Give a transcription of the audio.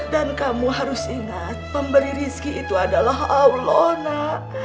dan kamu harus ingat pemberi rizki itu adalah allah nek